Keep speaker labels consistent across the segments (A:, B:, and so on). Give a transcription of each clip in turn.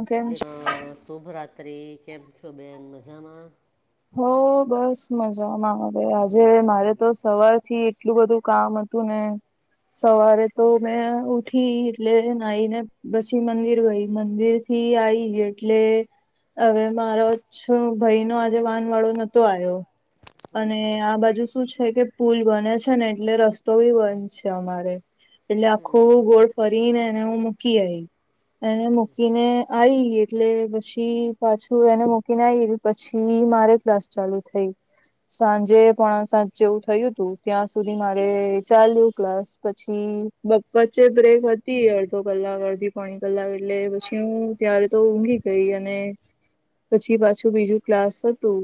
A: અ કેમ છો
B: શુભરાત્રિ કેમપ શો બેન મજામાં
A: હો બસ મજામાં આવે આજે મારે તો સવાર થી એટલું બધું કામ હતું ને સવારે તો મેં ઉઠી એટલે નાહી ને પછી મંદિર ગ‌ઈ મંદિર થી આવી એટલે હવે મારો છ ભાઈ નો આજે વાન વાળો નોતો આયો અને આ બાજુ શું છે. થ કે પુલ બને છે ને એટલે રસ્તો બી બંધ છે અમારે એટલે આખું ગોળ ફરીનેને હું મૂકી આઈ એને મૂકીને આઈ એટલે પછી પાછું એને મૂકીને આઈ પછી મિ મારે ક્લાસ ચાલુ થઈ સાંજે પણ સાંજ જેવું થયું તું. ત્યાં સુધી મારે ચાલ્યું ક્લાસ પછીપ વચ્ચે બ્રેક વધી અડધો કલાક અડધી. પોણી કલાક એટલે પછી હું ત્યારે તો ઊંઘી ગઈ અને પછી પાછું બીજું ક્લાસ હતું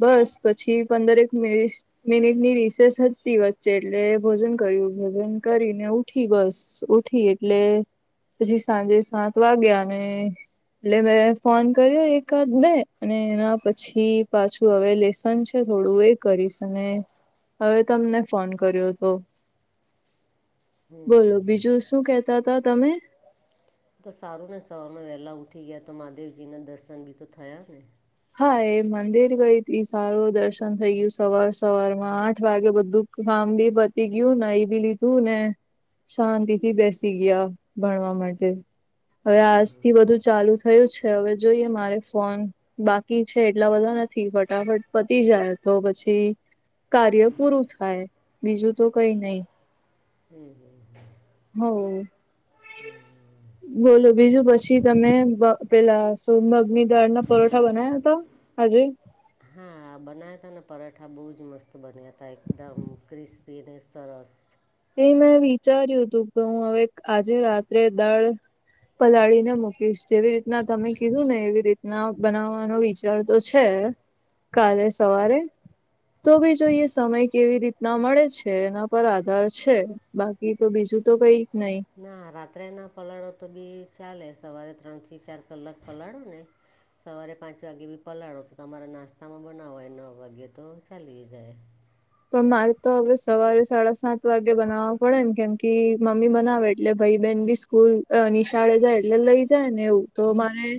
A: બસ પછી પંદરેક મિનિટ મિનિટ ની રિસેસ હતી વચ્ચે એટલે ભોજન કર્યું ભોજન કરીનેું. ઉઠી બસ ઉઠી એટલે. પછી સાંજે સાત વાગ્યા ને એટલે મેં ફોન કર્યો એકાદ મેં. અને એના પછી પાછું હવે લેસન છે થોડું એ કરીશ અને હવે તમને ફોન કર્યો હતો. બોલો બીજું શું કેતા હતા તમે
B: તો સારું ને સવારમાં વહેલા ઊઠી ગયા તો મહાદેવજીના દર્શન બી તો થયા ને.
A: હા એ મંદિર ગ‌ઇ ઇ સારું દર્શન થઈ ગયું સવાર સવાર માં આઠ વાગે બધું. કામ બી પતી ગયું ને ના‌ઈ બી લીધું ને શાંતિ થી બેસી ગયા ભણવા માટે હવે
B: હમ.
A: આજ થી બધુ ચાલુ થયું છે હવે જોઈએ મારે ફોન બાકી છે એટલા બધા નથી ફટાફટ પતી જાય તો પછી કાર્ય પૂરું થાય બીજું તો કઈ નહી. હ
B: [unintelligible]
A: બોલો બીજું પછી તમે બ પેલા સોમંગ દાળ ના પરોઠા બના્યા તો આજે
B: હા બનાવ્યા હતા ને પરાઠા બહુ જ મસ્ત બન્યા હતા એકદમ ક્રિસ્પી અને સરસ
A: એ મેં વિચાર્યું હતું કે હું હવે આજે રાત્રે દાળ પલાળી ને મૂકીશ જેવી રીતના તમે કીધું ને એવી રીતના બનાવાનો વિચાર વિચાર તો છે કાલે સવારે તો બી જોઈએ સમય કેવી રીતના મળે છે એના પર આ આધાર છે બાકી તો બીજું તો કઈ નઈ.
B: ના રાત્રે ના પલાળો તો બી ચાલે સવારે ત્રણથી ચાર કલાક પલાળો ને સવારે પાંચ વાગે બી પલાળો તો તમારે નાસ્તામાં બનાવવાય નવ વાગે તો ચાલી જાય
A: પણ મારે તો હવે સવારે સાડા સાત વાગે બનાવવા પડે ને કેમ કે મમ્મી બનાવે એટલે ભાઈ બેહેન બી સ્કૂલ‌ અ નિશાળે જાય એટલે લઈ જાય ને એવું તો મારે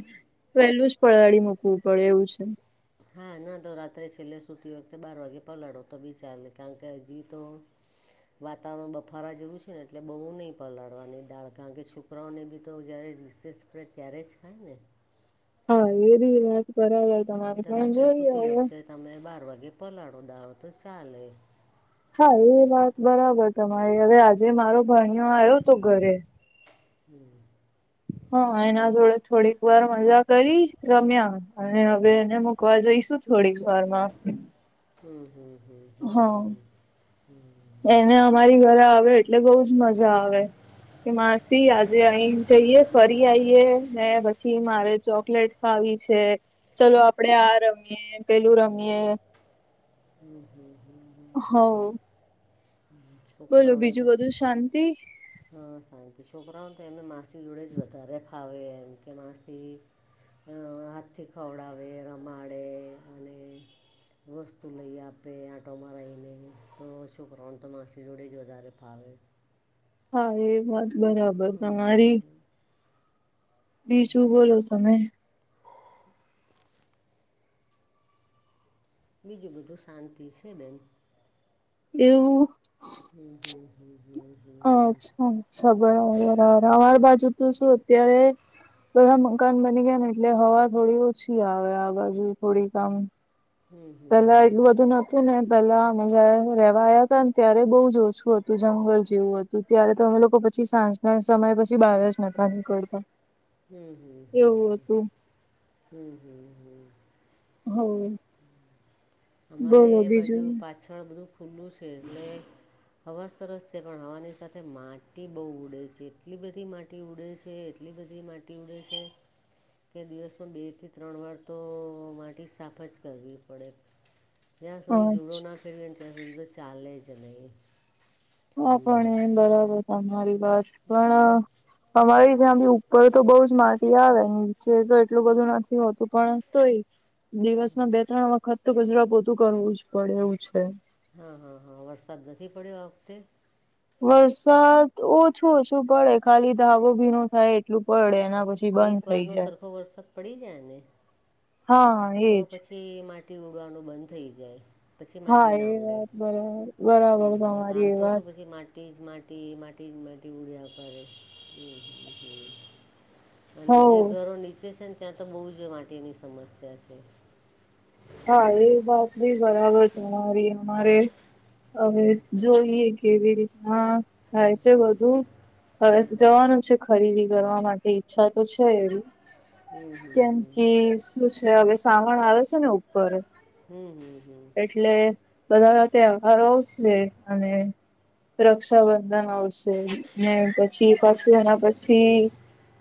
A: પેલું જ પલાળી મૂકવું પડે એવું છે.
B: હા ના તો રાત્રે છેલ્લે સુતી વખતે બાર વાગે પલાળો તો બી ચલે કારણ કે હજી તો વાતાવરણ બફારા જેવું છે ને એટલે બહુ નહિ પલાળવાની દાળ કારણ કે છુ. પ્રવનિધિ તો જ્યારે રિસેષ પડે ત્યારેજ ખાયને?
A: હા એબી એવાત બરાબર તમારી
B: તો
A: પણ
B: રાત્રે
A: જોઈએ
B: સુતી
A: હવે
B: વખતે તમે બાર વાગે પલાળો દાવો તો ચાલે
A: હા એ વાત બરાબર તમારે હવે આજે મારો ભણીઓ આવ્યો હતો ઘરે
B: હમ
A: હા એના જોડે થોડીક વાર મજા કરી રમ્યા અને હવે એને મુકવા જઈશું થોડીક વારમાં
B: હમ્મ હમ્મ હમ્મ હમ્મ
A: હા
B: હમ્મ હમ્મ
A: એને અમારી ઘરે આવે એટલે બહુજ મજા આવે. કે માસી આજે અહી જઈએ ફરી આઈએ, ને પછી મારે ચોકલેટ ખાવી છે, ચલો આપડે આ રમીએ, પેલું રમીએ.
B: હમ્મ હમ્મ હમ્મ હમ્મ હમ્મ
A: હવ
B: હમ્મ
A: બોલો
B: છોકરાઓને તો
A: બીજું બધું શાંતિ
B: અ શાંતિ, છોકરાઓને તો એમહે માસી જોડે જ વધારે. ફાવે એમકે માસી અ હાથથી ખવડાવે, રમાડે અને વસ્તુ તું લઈ આપે, આંટો મરાએલે, તો છોકરાઓને તો માસી જોડેજ વધારે ફાવે.
A: હા એ વાત બરાબર તમારી. બીજું બોલો તમે
B: [inaudible] બીજું બધું શાંતિ છે બેન.
A: એવું.
B: હમ્મ હમ્મ હમ્મ હમ્મ
A: અચ્છા સબ બરાબર અમાર બાજુ તો શું અત્યારે બધા મકાન બની ગયા ને, એટલે હવા થોડી ઓછી આવે, આ બાજુ થોડીક આમ
B: હમ
A: પેલા
B: હમ
A: એટલું બધું નતુંને, પેલા અમે જયારે રેવા આયાતા હતા ને ત્યારે બહુ જોર છુ હતું, જંગલ જેવું હતું. તો ત્યારે તો અમે લોકો પછી, સાંજના સમય પછી બહાર જ નતા નીકળતા.
B: હમ્મ હમ્મ હમ્મ
A: એવું
B: હમ્મ,
A: હતું
B: હમ્મ હમ્મ હમ્મ
A: હો
B: અમારે એ બાજુ
A: બીજું
B: પાછળ બધું ખુલ્લું છે, એટલે હવા સરસ છે, પણ હવાની સાથે માટી બહુ ઉડે છે, એટલી બધી માટ ટી ઉડે છે, એટલી બધી માટી ઉડે છે. કે દિવસમાં બેથી ત્રણ વાર તો અ માટી સાફજ કરવી પડે. જ્યાં સુધી જુડોના
A: હા
B: ફેરવીને ત્યાં સુધી તો ચાલે જ નહીં.
A: હા પણ એ બરાબર તમારી વાત, પણ અમારે ત્યાંબી ઉપર તો બઉજ માટી આવે, નીચે તો એટલું બધું નથી હોતું, પણ તોય દિવસમાં બે ત્રણ વખત તો કચરા પોતું કરવું જ પડે એવું છે.
B: હા હા હા, વરસાદ નથી પડ્યો આ વખતે?
A: વરસાદ ઓછો ઓછું પડે, ખાલી ધાવો ભીનો થાય એટલું પડે એના પછ
B: એક વાર નો સરખો વરસાદ પડી જાયને,
A: હા
B: તો
A: એજ
B: પછી થી માટી ઉડવાનું બંધ થઈ જાય. પછી
A: હા
B: માટી ના
A: એ
B: ઉડે,
A: વાત બરાબર બરાબર
B: હમ્મ હમ્મ, આમ
A: તમારી એ
B: તો શું
A: વાત
B: પછી માટ ટી જ માટી, માટી જ માટી ઉડ્યા કરે. હમ્મ હમ્મ હમ્મ અને
A: હો
B: જે ઘરો નીચે છે ને, ત્યાં તો બહુ જ માટીની સમસ્યા છે.
A: હા એ વાતભી બરાબર તમારી, અમારે હવે જોઈએ કેવી રીતના થાય છે બધું. હવે જવાનું છે ખરીદી કરવા માટે ઈચ્છા તો છે એવી.
B: હમ, હમ, હમ.
A: કેમકી, શું છે હવે સાવણ આવે છે ને ઉપર.
B: હમ્મ હમ્મ હમ્મ
A: એટલે બધા [unintelligible] છે અને રક્ષાબંધન આવશે, ને પછી પાછું એના પછી.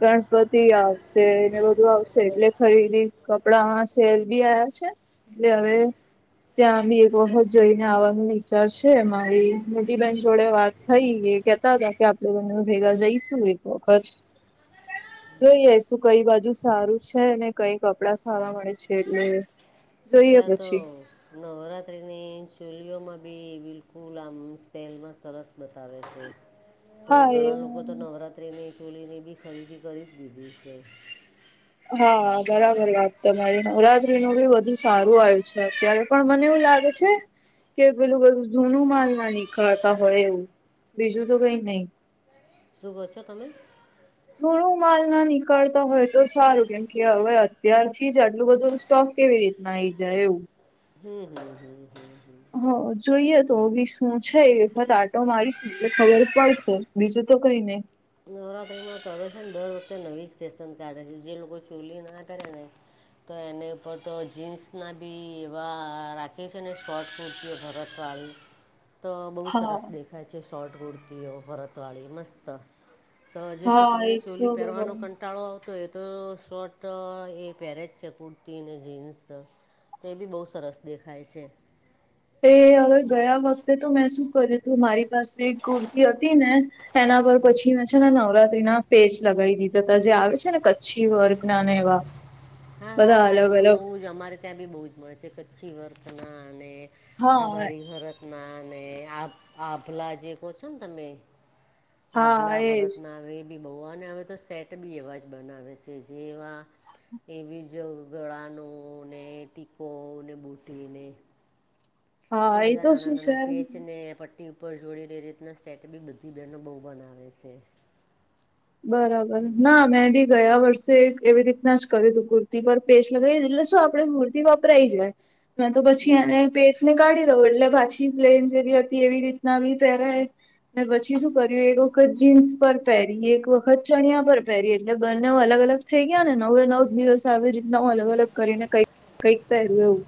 A: ગણપતિ આવશે ને બધું આવશે એટલે ખરીદી કપડામાં સેલ બી આવ્યા છે. એટલે હવે
B: હમ.
A: ત્યાંબી એક વખત જઈને આવવાનું વિચાર છે, મારી મોટી બેહેન જોડે વાત થઈ એ કેતા હતા કે, આપણે બને ભેગા જઈશું એક વખત. જોઈએ શું કઈ બાજુ સારું છે, ને કઈ કપડા સારવા મળે છે એટલે. જોઈએ
B: અત્યારે તો
A: પછી
B: નવરાત્રિની ચોલીઓમાં બી બિલકુલ આમ સેલમાં સરસ બતાવે છે તો
A: હા એ
B: ઘણા લોકો તો નવરાત્રીની ચોલીની બી ખરીદી કરી જ દીધી છે.
A: હા બરાબર વાત તમારી નવરાત્રી નું બી વધુ સારું આવ છે અત્યારે પણ મને એવું લાગે છે. કે પેલું બધું જૂનું માલ ના નીકળતા હોય એવું બીજું તો કઈ નહી.
B: શું કો છો તમે?
A: થોડું માલ ના નીકળતા હોય તો સારું કેમ કે હવે અત્યારથી જ આટલું બધું સ્ટોક કેવી રીતના આઈ જાય એવું
B: હમ હમ હમ. હમ
A: હ જોઈએ તો વીસ. હું છે એ વખત આટો મારીશ એટલે ખબર પડશે બીજું તો કઈ નય.
B: નવરાત્રીમાં તો અવે છે ને દર વખતે નવી ફેશન કાઢે છે જે લોકો ચોલી ના કરે ને તો એની ઉપર તો જીન્સના બી એવા રાખે છે ને શોટ કુર્તીઓ ભરતવાળી
A: [inaudible]
B: તો બહુ
A: હા
B: સરસ દેખાય છે શોર્ટ કુર્તીઓ ભરતવાળી મસ્ત તો જે
A: હા
B: છોકરીને
A: એ
B: ચોલી
A: તો
B: પહેવાનો
A: બરાબર
B: ક કંટાળો આવતો હોય તો શોર્ટ એ પહેરે જ છે કુરતી અને જીન્સ. તે બી બહુ સરસ દેખાય છે.
A: તે હવે ગયા વખતે તો મેં શું કર્યું હતું મારી પાસે કુર્તી હતી ને એના પર પછી પછી મેં નવરાત્રી ના પેજ લગાવી દીધા હતા જે આવે છે ને કચ્છી વર્ગના ને એવા
B: હા હા
A: બધા
B: હા એ
A: અલગ
B: તો બહુ
A: અલગ
B: જ અમારે ત્યાં બી બહુ જ મળે છે કચ્છી વર્કના અને
A: હા
B: રબારી ભરતમાં અને આ આભલા જે કહ છો ને તમે
A: હા
B: આભલા
A: એજ
B: ભરતના હ એ બી બોવને હવે તો સેટ બી એવા જ બનાવે છે જે એવા એવી જ ગળાનું ને ટીકો ને બુટીને
A: હા
B: એ બધા
A: તો
B: નાના
A: શું છે
B: નાના પેચને પ ટી ઉપર જોડી રે એ રીતના સેટ બી બધી બહેનો બહુ બનાવે છે.
A: બરાબર ના મેં ભી ગયા વર્ષ એવી રીતના જ કર તું કુર્તી પર પેશ લગાવી એટલે શું આપણે કૂર્તિ વાપરાઈ જાય. મે તો પછી
B: હમ
A: એને બેેસ ને કાઢી દઉં એટલે પાછી પ્લેન જે હતી એવી રીતના બી પહેરાય અને પછી શું કર્યું એક વખત જીન્સ પર પહેરી એક વખત ચણિયા પર પહેરી એટલે બંને અલગ અલગ થઈ ગયા ને નવ નવ દિવસ આવી રીતના અલગ અલગ કરીને કઈક કઈક પહે્યું એવું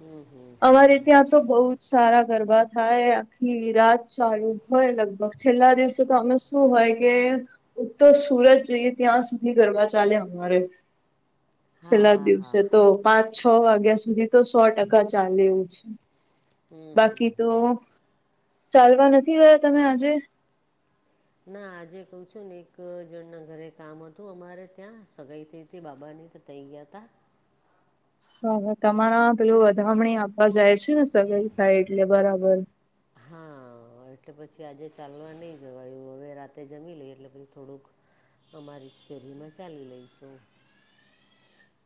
B: હમ હમ હમ
A: અમારે ત્યાં તો બઉ સારા ગરબા થાય આખી રાત ચાલુ હોય લગભગ છેલ્લા દિવસે તો અમે શું હોય કે તો સુરત જઈએ ત્યાં સુધી ગરબા ચાલે અમારે છેલ્લા
B: હા
A: દિવસે
B: હા
A: તો પાંચ છ વાગ્યા સુધી તો સો ટકા ચાલે એવું છે.
B: હમ હમ
A: બાકી તો ચાલવા નથી ગયા તમે આજે
B: ના આજે કઉ છું ને એક જણના ઘરે કામ હતું અમારે ત્યાં સગાઈ થઈતી બાબાની તઈ ગયા તા
A: હા તમારા પેલું વધામણી આપવા જાય છે ને સગાઈ થાય એટલે બરાબર.
B: હા. હ એટલે પછી આજે ચાલવા નઈ જવાય હવે રાતે જમી લઈ એટલે પછી થોડુંક અમારી શેરીમાં ચાલી લઈ છું
A: [inaudible]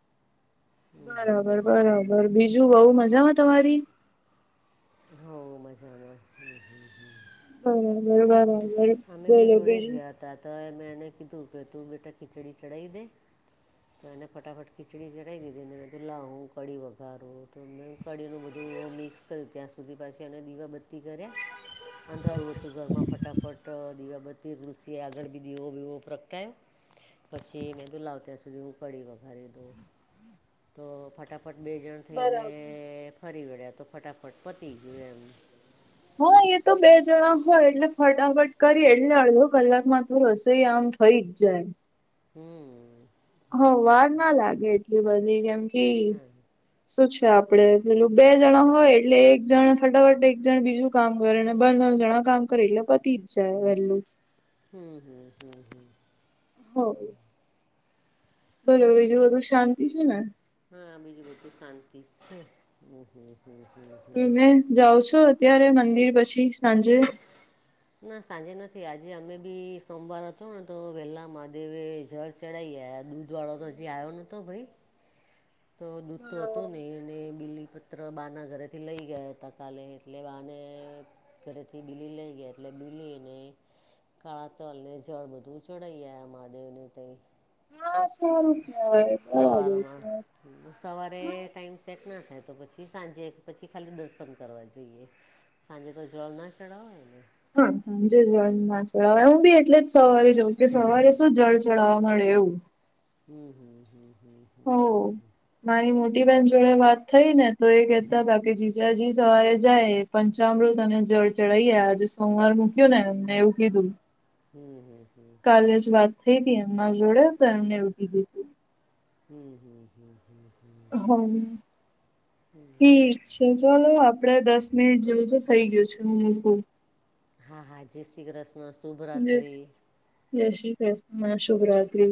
B: હમ હમ.
A: બરાબર બરાબર બીજું બહુ મજામાં તમારી
B: હોવ મજામાં
A: બરાબર બરાબર.
B: અમે બે
A: બોલો
B: જોડે જ
A: બીજું
B: ગયા હતા તો મેં એને કીધું કે તું બેટા ખીચડી ચડાવી દે. તો એને ફટાફટ ખીચડી ચઢાવી દીધી ને બધું લાહું કઢી વઘારું તો મેને. સવાળીનું બધું મિક્સ કર્યું ત્યાં સુધી પાછી અને દીવા બધી. કરે અંધારું હતું ઘરમાં ફટાફટ. દીવાબત્તી કૃષિએ આગળ બી દીવો વીવો પ્રગટાયો. પછી મે દુ લવ ત્યાં સુધી ઉ કડી વઘારી દો તો ફટાફટ. ફફટ બે જણ
A: બરાબર
B: થઈને ફરી વળ્યા તો ફટાફટ પતી ગયયો એમ.
A: હા એ તો બે જણા હોય એટલે ફટાફટ કરી એટલે અડધો કલાક માં તું હશે આમ. થઈ જ જાય.
B: હમ.
A: હ વાર ના લાગે એટલી બધી કેમ કે.
B: હા
A: શું છે આપડે પેલું બે જણા હોય એટલે એક જણ ફટાફટ એક જણ બીજું. કામ કરને બ જણા કામ કરે એટલે પતી જ જાય વેલું.
B: હમ હમ હમ હમ હ.
A: બલો બીજું બધું શાંતિ છે ને.
B: હા બીજું બધું શાંતિ જ છે હ હ.
A: જાઉ છો અત્યારે મંદિર પછી સાંજે.
B: ના સાંજે નથી આજે અમે બી સોમવાર હતો ને તો વહેલા મહાદેવે જળ. ચડાાઈ દૂધ વાળો તો હજી આવ્યો નતો ભાઈ.
A: [inaudible]
B: તો દૂધ તો હતું નહિ. અને બીલીપત્ર બા ના ઘરે થી લઈ ગયા હતા કાલે એટલે બાને. ઘરેથી બીલી લઈ ગયા એટલે બીલીને. કાળા તલ ને જળ બધું ચડાાઈ ગયા મહાદેવ ને તઈ.
A: હ સો રૂપિયા બરાબર
B: સવારમાં
A: છે.
B: સવારે ટાઈઇમ સેટ ના થાય તો પછી સાંજે પછી ખાલી દર્શન કરવા જઈએ. સાંજે તો જલ ના ચડાવ હોયને.
A: હા સાંજે જળ ના ચડવા હું બી એટલે જ સવારે જઉં કે સવારે શું જળ ચઢાવવા મળે એવું.
B: હમ હમ હમ હમ
A: હો.
B: હમ હ હ.
A: મારી મોટી બહેન જોડે વાત થઈ ને તો એ કેહેતા હતા કે જીજાજી સવારે જાય. પંચામૃત અને જળ ચઢાઈએ આજે સોમવાર મૂક્યું ને એને એવું કીધું.
B: હમ હમ હમ.
A: લે વાત થઈ હતી એમના જોડે તો એમને એવુ કીધું તું.
B: હમ હમ હમ હમ હમ.
A: હમ. ઠીક છે ચલો આપડે દસ મિનિટ જેવું તો થઇ ગયું છે હું મુકું.
B: હા હા જય ક્ષી કષ્ણ.
A: જ જય શ્રી શુભરાતિ.